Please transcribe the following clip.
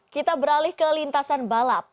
kita beralih ke lintasan balap